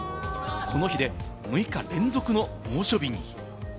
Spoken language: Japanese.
この日で６日連続の猛暑日に。